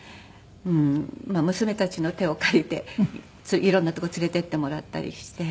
娘たちの手を借りて色んな所連れて行ってもらったりして。